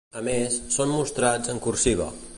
A més, són mostrats en cursiva.